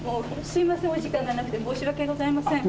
すみません、お時間がなくて、申し訳ございません。